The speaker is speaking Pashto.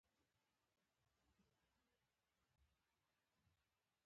ته مې وژنه د قصاص اندیښنه مه کړه